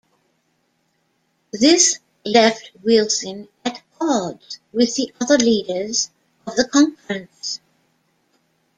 This left Wilson at odds with the other leaders of the conference.